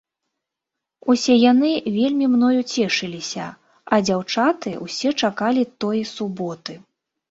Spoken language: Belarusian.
Усе яны вельмі мною цешыліся, а дзяўчаты ўсе чакалі тое суботы.